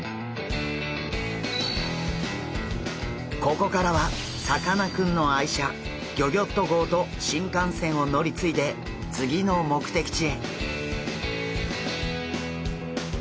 ここからはさかなクンの愛車ギョギョッと号と新幹線を乗り継いで次の目的地へ。